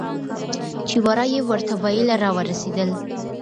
چې ورا یې ورته ویله راورسېدل.